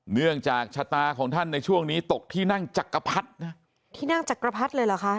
เนื่องจากชะตาของท่านในช่วงนี้ตกที่นั่งจักรพรรดินะที่นั่งจักรพรรดิเลยเหรอคะ